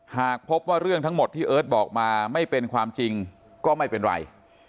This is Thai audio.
หากพบว่าเรื่องทั้งหมดที่เอิร์ทบอกมาไม่เป็นความจริงก็ไม่เป็นไร